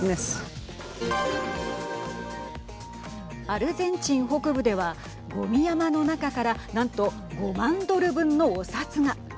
アルゼンチン北部ではごみ山の中からなんと５万ドル分のお札が。